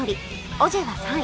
オジェは３位